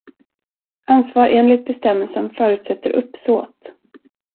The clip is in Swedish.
Ansvar enligt bestämmelsen förutsätter uppsåt.